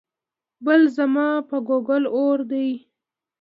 بل ځما په ګوګل اور وي